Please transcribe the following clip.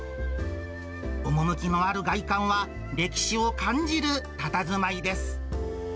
趣のある外観は歴史を感じるたたずまいです。